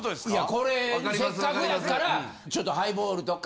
これせっかくやからちょっとハイボールとか。